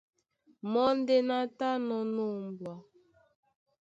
Mɔ́ ndé ná tánɔ̄ ná ombwa.